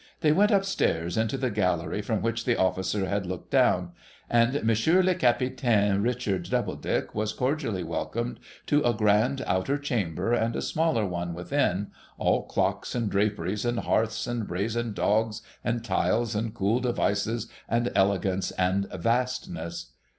They went up stairs into the gallery from which the officer had looked down ; and Monsieur le Capitaine Richard Doubledick was cordially welcomed to a grand outer chamber, and a smaller one within, all clocks and draperies, and hearths, and brazen dogs, and tiles, and cool devices, and elegance, and vastness.